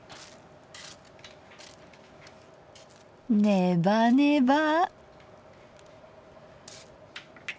ねばねば。